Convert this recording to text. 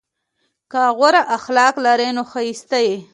که غوره اخلاق لرې نو ښایسته یې!